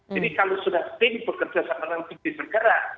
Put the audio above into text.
jadi kalau sudah tim bekerja sama dengan penyidik bergerak